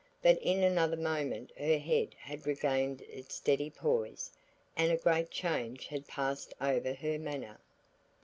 But in another moment her head had regained its steady poise and a great change had passed over her manner.